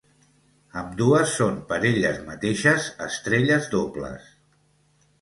Ambdues són per elles mateixes estrelles dobles.